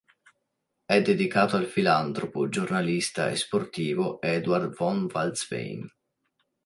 È dedicato al filantropo, giornalista e sportivo Eduard von Falz-Fein.